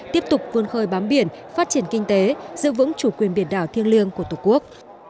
trong khơi bám biển phát triển kinh tế giữ vững chủ quyền biển đảo thiêng liêng của tổ quốc